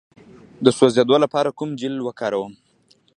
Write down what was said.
د سوځیدو لپاره کوم جیل وکاروم؟